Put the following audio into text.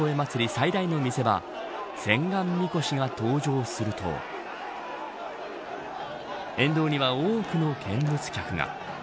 最大の見せ場千貫神輿が登場すると沿道には多くの見物客が。